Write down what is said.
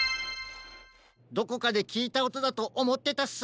どこかできいたおとだとおもってたっす。